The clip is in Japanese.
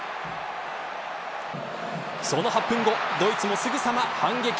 その８分後ドイツも、すぐさま反撃。